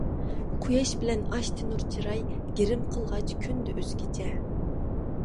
قۇياش بىلەن ئاچتى نۇر چىراي، گىرىم قىلغاچ كۈندە ئۆزگىچە.